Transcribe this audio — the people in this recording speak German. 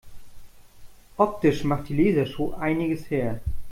Optisch macht die Lasershow einiges her.